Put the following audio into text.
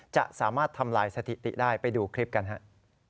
จะสามารถทำลายสถิติได้ไปดูคลิปกันครับ